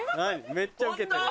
めっちゃウケてる。